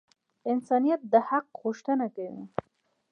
انسانیت د حق غوښتنه کوي.